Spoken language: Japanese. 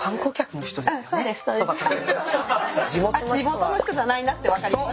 地元の人じゃないなって分かります。